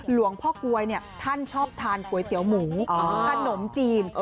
หลวงพ่อกลวยท่านชอบทานก๋วยเตี๋ยวหมูขนมจีน